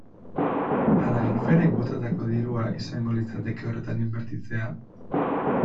Ala alferrik botatako dirua izango litzateke horretan inbertitzea?